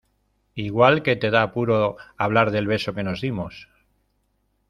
igual que te da apuro hablar del beso que nos dimos.